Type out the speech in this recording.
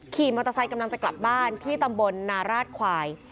ขี่มอเตอร์ไซค์กำลังจะกลับบ้านที่ตำบลนาราชควาย